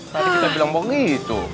tadi kita bilang begitu